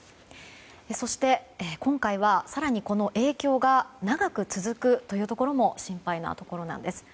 そして今回は、更にこの影響が長く続くというところも心配なところなんです。